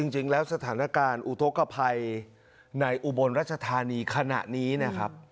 จริงแล้วสถานการณ์อุทธกภัยในอุบลรัชธานีขณะนี้นะครับ